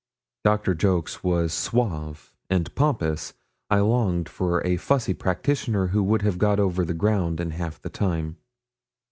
Doctor Jolks was suave and pompous. I longed for a fussy practitioner who would have got over the ground in half the time.